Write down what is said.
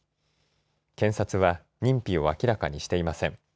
検察は認否を明らかにしていません。